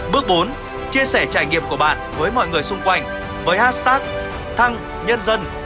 bước bốn chia sẻ trải nghiệm của bạn với mọi người xung quanh với hashtag thăng nhân dân